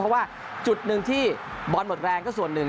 เพราะว่าจุดหนึ่งที่บอลหมดแรงก็ส่วนหนึ่ง